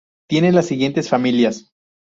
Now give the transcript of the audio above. Tiene las siguientes familias.